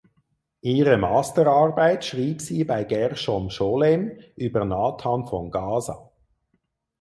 Ihre Masterarbeit schrieb sie bei Gershom Scholem über Nathan von Gaza.